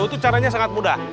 itu caranya sangat mudah